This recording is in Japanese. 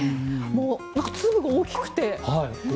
粒が大きくて。